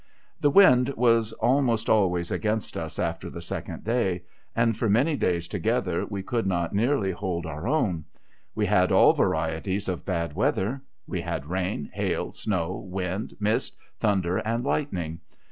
The wind was almost always against us after the second day ; and for many days together we could not nearly hold our own. ^\'e had all varieties of bad weather. We had rain, hail, snow, wind, mist, thunder and lightning.